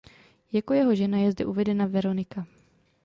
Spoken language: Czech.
Jako jeho žena je zde uvedena Veronika.